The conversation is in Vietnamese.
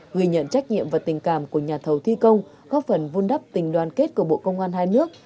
ghi nhận trách nhiệm và tình cảm của nhà thầu thi công góp phần vun đắp tình đoàn kết của bộ công an hai nước